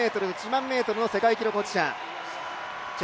５０００ｍ、１００００ｍの世界記録保持者。